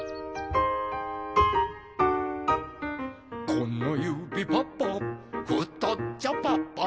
「このゆびパパふとっちょパパ」